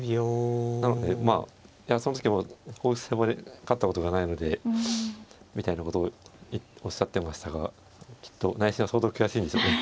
なのでまあその時も公式戦も勝ったことがないのでみたいなことをおっしゃってましたがきっと内心は相当悔しいんでしょうね。